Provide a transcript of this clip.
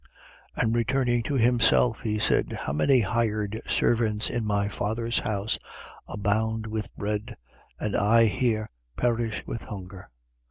15:17. And returning to himself, he said: How many hired servants in my father's house abound with bread, and I here perish with hunger!